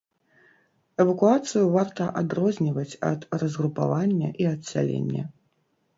Эвакуацыю варта адрозніваць ад разгрупавання і адсялення.